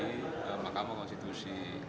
yang ada di makamu konstitusi